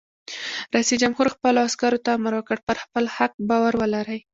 رئیس جمهور خپلو عسکرو ته امر وکړ؛ پر خپل حق باور ولرئ!